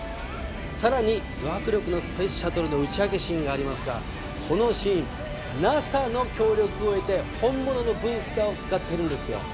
さらにド迫力のスペースシャトルの打ち上げシーンがありますがこのシーンＮＡＳＡの協力を得て本物のブースターを使ってるんですよ。